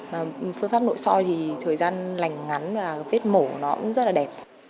và phương pháp nội soi thì thời gian lành ngắn và vết mổ nó cũng rất là đẹp